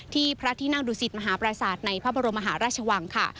ที่พระที่นั่งดูสิทธิ์มหาประสาทในพระบรมมหาราชวังค่ะ